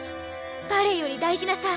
バレエより大事なさ。